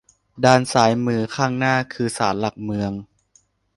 ด้านซ้ายมือข้างหน้าคือศาลหลักเมือง